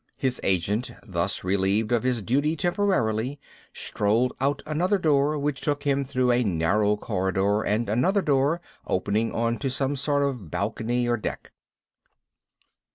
His agent, thus relieved of his duty temporarily, strolled out another door, which took him through a narrow corridor and another door, opening on to some sort of a balcony, or deck.